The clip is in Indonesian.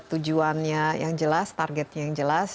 tujuannya yang jelas targetnya yang jelas